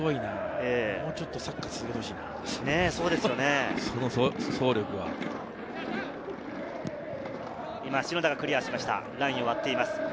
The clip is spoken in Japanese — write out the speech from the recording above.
もうちょっとサッカーを続けてほしいな。